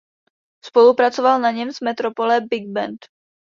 Spolupracoval na něm s Metropole Big Band.